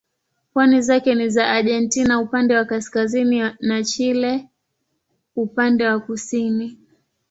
Pwani zake ni za Argentina upande wa kaskazini na Chile upande wa kusini.